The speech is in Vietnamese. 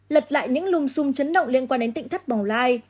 lật lại những lùm xung chấn động liên quan đến tịnh thất bổng lai